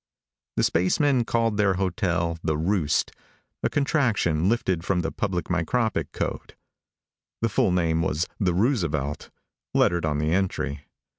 The spacemen called their hotel the Roost, a contraction lifted from the public micropic code. The full name was the Roosevelt, lettered on the entry.